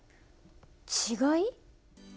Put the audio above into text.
違い？